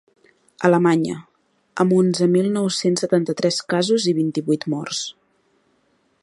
Alemanya, amb onzen mil nou-cents setanta-tres casos i vint-i-vuit morts.